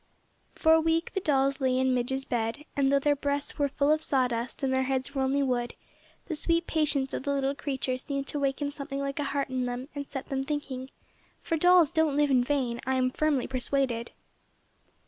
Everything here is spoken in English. For a week the dolls lay in Midge's bed, and though their breasts were full of saw dust and their heads were only wood, the sweet patience of the little creature seemed to waken something like a heart in them, and set them thinking, for dolls don't live in vain, I am firmly persuaded.